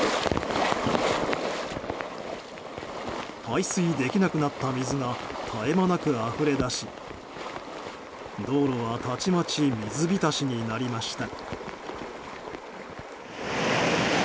排水できなくなった水が絶え間なくあふれ出し道路はたちまち水浸しになりました。